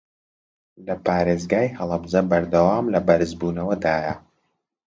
لە پارێزگای هەڵەبجە بەردەوام لە بەرزبوونەوەدایە